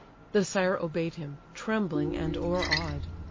The sire obey'd him, trembling and o'eraw'd.